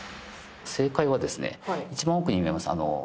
正解はですね一番奥に見えます